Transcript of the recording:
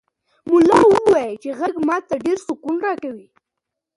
ملا وویل چې غږ ماته ډېر سکون راکوي.